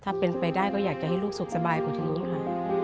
ถ้าเป็นไปได้ก็อยากจะให้ลูกสุขสบายกว่านี้ค่ะ